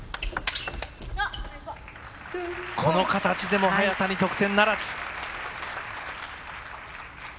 この形でも早田に得点ならず。